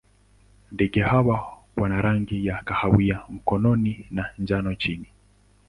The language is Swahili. Ndege hawa wana rangi ya kahawa mgongoni na njano chini.